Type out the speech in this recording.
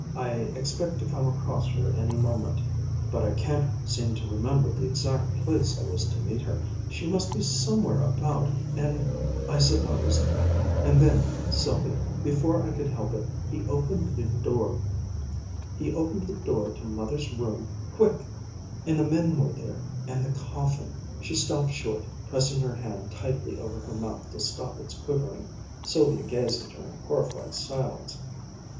I expect to come across her any moment, but I can't seem to remember the exact place I was to meet her. She must be somewhere about, and I suppose ' and then, Sylvia, before I could help it, he opened the door to Mother's room quick and the men were there, and the coffin " She stopped short, pressing her hand tightly over her mouth to stop its quivering. Sylvia gazed at her in horrified silence.